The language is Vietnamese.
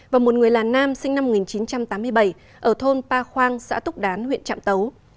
và một người là nam sinh năm một nghìn chín trăm tám mươi bảy ở thôn pa khoang xã túc đán huyện trạm tấu